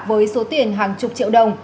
với số tiền hàng chục triệu đồng